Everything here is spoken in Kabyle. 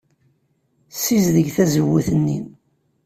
Ssizdeg tazewwut-nni.